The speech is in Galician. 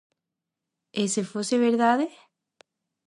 E se fose verdade?